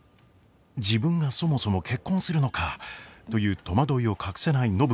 自分がそもそも結婚するのか？という戸惑いを隠せない暢子ですが。